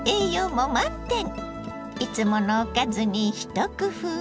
いつものおかずに一工夫。